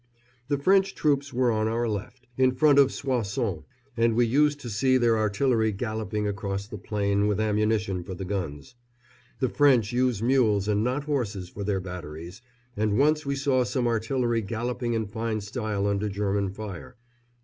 The French troops were on our left, in front of Soissons, and we used to see their artillery galloping across the plain with ammunition for the guns. The French use mules and not horses for their batteries, and once we saw some artillery galloping in fine style under German fire.